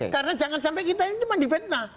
karena jangan sampai kita ini cuma di vetna